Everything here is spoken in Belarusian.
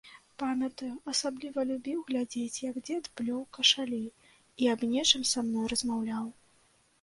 Памятаю, асабліва любіў глядзець, як дзед плёў кашалі і аб нечым са мной размаўляў.